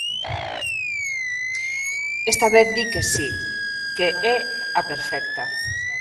Esta vez di que si, que é a perfecta.